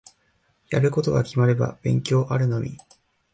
やること決まれば勉強あるのみ。